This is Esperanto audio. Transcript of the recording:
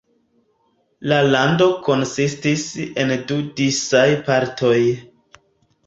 La lando konsistis el du disaj partoj.